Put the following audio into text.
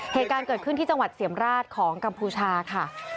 เหตุการณ์เกิดขึ้นที่จังหวัดเสี่ยมราชของกัมพูชาค่ะ